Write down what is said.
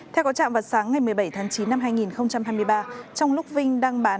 theo cổ trạm vật sáng ngày một mươi bảy tháng chín năm hai nghìn hai mươi ba